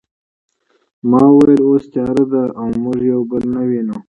ما وویل اوس تیاره ده او موږ یو بل نه وینو